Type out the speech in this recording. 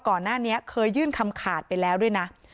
ก่อนหน้านี้เคยยื่นคำขาดไปแล้วด้วยนะ